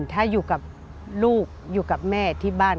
ถ้าอยู่กับลูกอยู่กับแม่ที่บ้าน